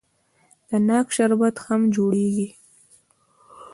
د ناک شربت هم جوړیږي.